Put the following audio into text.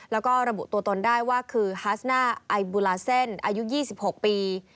แล้วก็ระบุตัวตนได้ว่าคือฮาสน่าไอบูลาเซ่นอายุ๒๖ปี